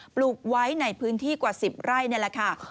ปลูกไว้ในพื้นที่กว่า๑๐ไร่นี่แหละค่ะ